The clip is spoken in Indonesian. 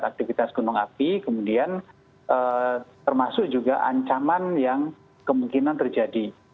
aktivitas gunung api kemudian termasuk juga ancaman yang kemungkinan terjadi